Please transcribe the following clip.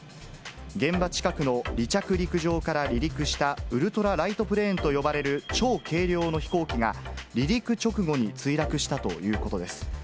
現場近くの離着陸場から離陸した、ウルトラライトプレーンと呼ばれる超軽量の飛行機が、離陸直後に墜落したということです。